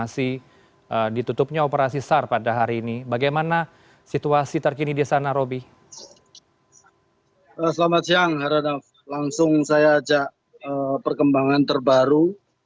selamat siang heranov langsung saya ajak perkembangan terbaru